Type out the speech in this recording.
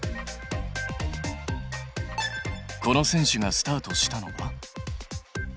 この選手がスタートしたのは。